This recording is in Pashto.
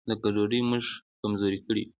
دا ګډوډي موږ کمزوري کړي یو.